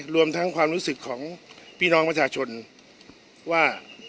รวมทั้งความรู้สึกของพี่น้องประชาชนว่า